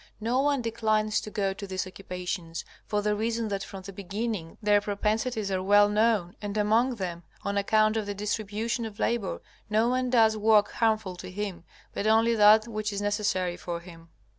No one declines to go to these occupations, for the reason that from the beginning their propensities are well known, and among them, on account of the distribution of labor, no one does work harmful to him, but only that which is necessary for him.